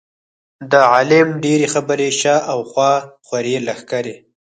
د عالم ډېرې خبرې شا او خوا خورې لښکرې.